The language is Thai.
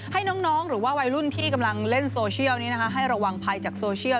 ให้น้องหรือว่าวัยรุ่นที่กำลังเล่นโซเชียลนี้นะคะให้ระวังภัยจากโซเชียล